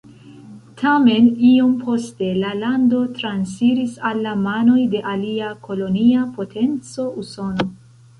Tamen iom poste la lando transiris al la manoj de alia kolonia potenco Usono.